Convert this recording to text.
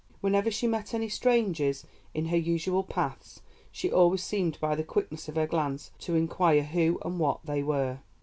Whenever she met any strangers in her usual paths she always seemed by the quickness of her glance to inquire who and what they were."